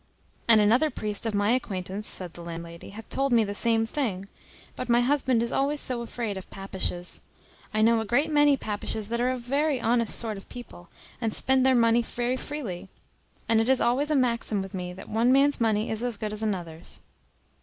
"And another priest, of my acquaintance," said the landlady, "hath told me the same thing; but my husband is always so afraid of papishes. I know a great many papishes that are very honest sort of people, and spend their money very freely; and it is always a maxim with me, that one man's money is as good as another's."